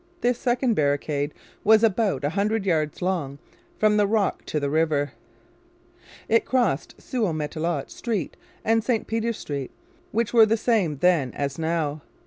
This second barricade was about a hundred yards long, from the rock to the river. It crossed Sault au Matelot Street and St Peter Street, which were the same then as now.